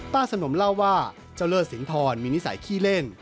สนมเล่าว่าเจ้าเลิศสินทรมีนิสัยขี้เล่น